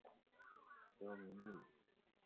刘明利。